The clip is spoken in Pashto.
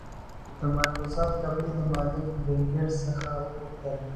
د مایکروسافټ کمپنۍ د مالک بېل ګېټس څخه وپوښتل.